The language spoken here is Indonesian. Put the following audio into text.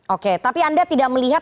oke tapi anda tidak melihat